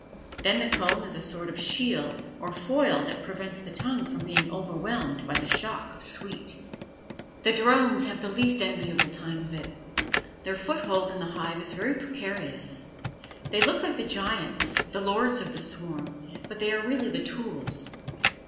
Then the comb is a sort of shield or foil that prevents the tongue from being overwhelmed by the shock of the sweet. The drones have the least enviable time of it. Their foothold in the hive is very precarious. They look like the giants, the lords of the swarm, but they are really the tools.